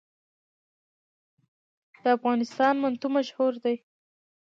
د افغانستان منتو مشهور دي